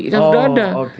yang sudah ada